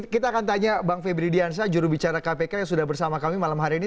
kita akan tanya bang febri diansah jurubicara kpk yang sudah bersama kami malam hari ini